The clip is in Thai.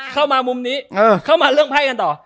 เข้ามามุมนี้เข้ามาเรื่องไพ่กันต่อ